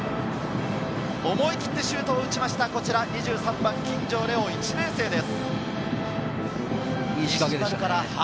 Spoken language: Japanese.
思い切ってシュートを打ちました、２３番・金城蓮央、１年生です。